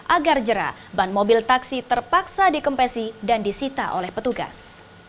agar jerah ban mobil taksi terpaksa dikempesi dan disita oleh petugas